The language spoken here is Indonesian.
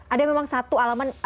ada memang satu alaman